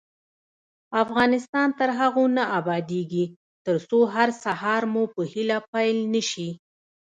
افغانستان تر هغو نه ابادیږي، ترڅو هر سهار مو په هیله پیل نشي.